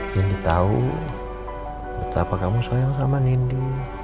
jendi tahu betapa kamu sayang sama nindi